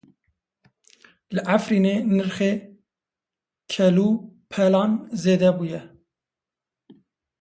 Li Efrînê nirxê kelûpelan zêde bûye.